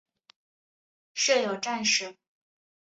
设有站舍。